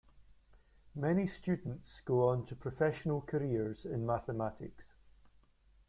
Many students go on to professional careers in mathematics.